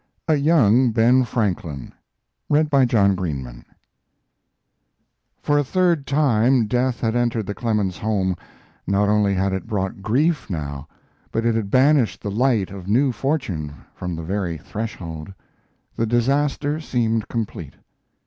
XV. A YOUNG BEN FRANKLIN For a third time death had entered the Clemens home: not only had it brought grief now, but it had banished the light of new fortune from the very threshold. The disaster seemed complete.